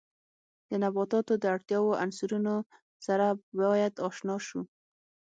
د نباتاتو د اړتیاوو عنصرونو سره باید آشنا شو.